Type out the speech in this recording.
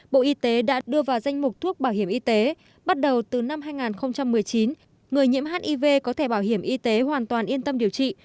bộ y tế đã đưa vào danh mục thuốc bảo hiểm y tế bắt đầu từ năm hai nghìn một mươi chín người nhiễm hiv có thẻ bảo hiểm y tế hoàn toàn yên tâm điều trị